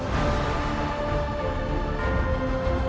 hẹn gặp lại